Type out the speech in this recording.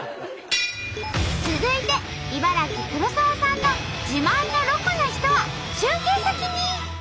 続いて茨城黒沢さんの自慢のロコな人は中継先に！